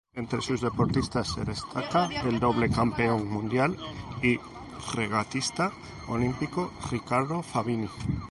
Entre sus deportistas se destaca el doble campeón mundial y regatista olímpico Ricardo Fabini.